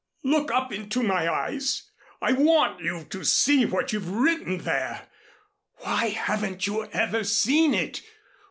Look up into my eyes! I want you to see what you've written there. Why haven't you ever seen it?